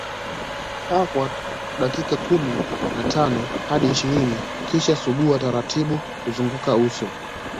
Kaa kwa dakika kumi na tano hadi ishirini kisha sugua taratibu kuzunguka uso